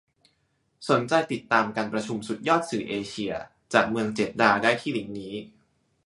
สนใจติดตามการประชุมสุดยอดสื่อเอเชีย จากเมืองเจดดาห์ได้ที่ลิ้งค์นี้